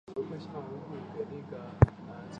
后积功至森王。